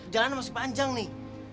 jalan masih panjang nih